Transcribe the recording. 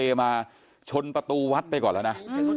มาชนประตูวัดไปก่อนแล้วนะ